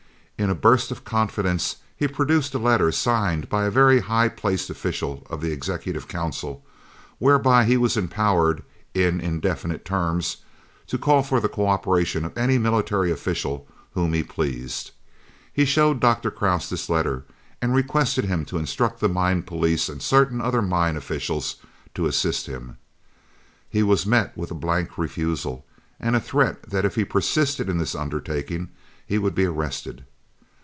In a burst of confidence he produced a letter signed by a very high placed official of the Executive Council, whereby he was empowered, in indefinite terms, to call for the co operation of any military official whom he pleased. He showed Dr. Krause this letter and requested him to instruct the mine police and certain other mine officials to assist him. He was met with a blank refusal, and a threat that if he persisted in this undertaking he would be arrested.